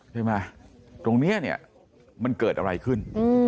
ใช่ไหมตรงนี้เนี่ยมันเกิดอะไรขึ้น